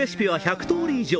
抽出レシピは１００通り以上。